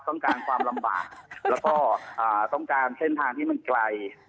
ต้องการความลำบากแล้วก็ต้องการเส้นทางที่มันไกล